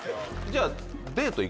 じゃあ。